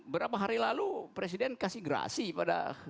berapa hari lalu presiden kasih grasi pada